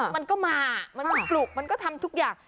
มันก็มามันก็ปลุกมันก็ทำทุกอย่าง